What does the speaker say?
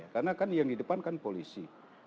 karena kan yang di depan kan polisi